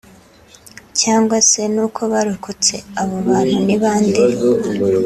cyangwa se nuko barokotse abo bantu ni bande